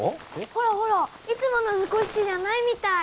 ほらほらいつもの図工室じゃないみたい！